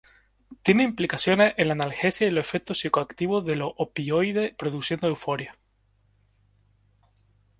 Tiene implicaciones en la analgesia y los efectos psicoactivos de los opioides, produciendo euforia.